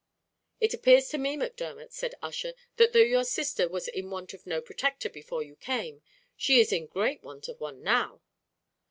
"It appears to me, Macdermot," said Ussher, "that though your sister was in want of no protector before you came, she is in great want of one now."